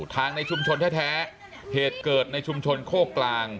ทางในชุมชนแท้เหตุเกิดในชุมชนโคกกลาง